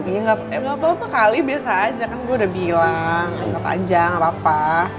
ya emang apa apa kali biasa aja kan gue udah bilang agak panjang gak apa apa